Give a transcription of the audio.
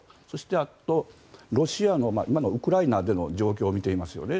あとロシアの今のウクライナでの状況を見ていますよね。